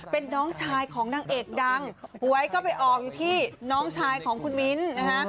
เป็นน้องชายของนางเอกดังหวยก็ไปออกอยู่ที่น้องชายของคุณมิ้นท์นะฮะ